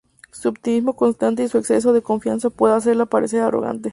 Su optimismo constante y su exceso de confianza pueden hacerla parecer arrogante.